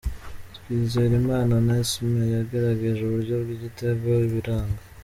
Twizerimana Onesme yagerageje uburyo bw'igitego biranga.